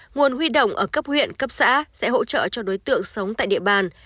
nguồn huy động ở cấp huyện cấp xã sẽ hỗ trợ cho đối tượng sống tại địa bàn